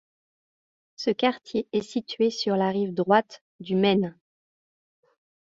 Ce quartier est situé sur la rive droite du Main.